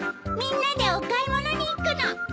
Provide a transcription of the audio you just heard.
みんなでお買い物に行くの。